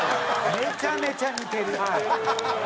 めちゃめちゃ似てるよ。